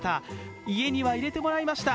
家には入れてもらえました。